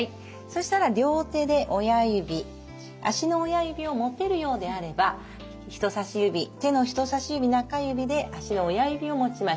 そしたら両手で親指足の親指を持てるようであれば人さし指手の人さし指中指で足の親指を持ちましょう。